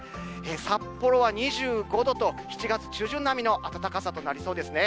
札幌は２５度と、７月中旬並みの暖かさとなりそうですね。